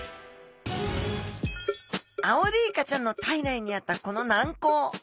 アオリイカちゃんの体内にあったこの軟甲。